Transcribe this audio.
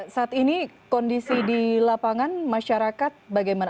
saat ini kondisi di lapangan masyarakat bagaimana